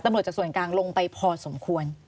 ตำรวจจากส่วนกลางลงไปพอสมควร